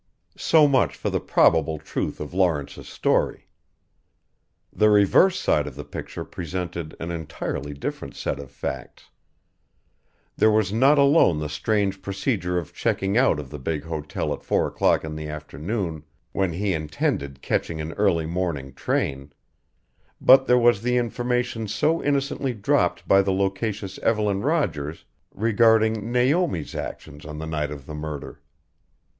So much for the probable truth of Lawrence's story. The reverse side of the picture presented an entirely different set of facts. There was not alone the strange procedure of checking out of the big hotel at four o'clock in the afternoon when he intended catching an early morning train: but there was the information so innocently dropped by the loquacious Evelyn Rogers regarding Naomi's actions on the night of the murder.